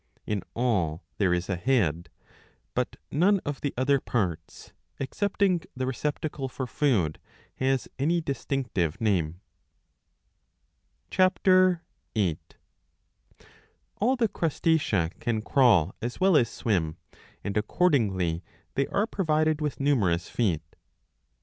In all there is a head;^ but none of the other parts, excepting the receptacle for food, has any distinctive name. (Ch. Z.) All the Crustacea ^ can crawl as well as swim, and accordingly they are provided with numerous feet.